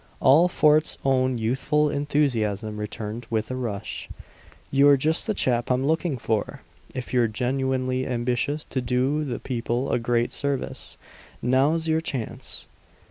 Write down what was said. All Fort's own youthful enthusiasm returned with a rush. "You're just the chap I'm looking for! If you're genuinely ambitious to do the people a great service, now's your chance!"